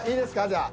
じゃあ。